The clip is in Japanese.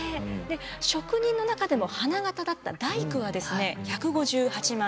職人の中でも花形だった大工はですね１５８万円。